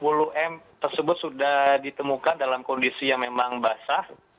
uang tiga puluh m tersebut sudah ditemukan dalam kondisi yang memang basah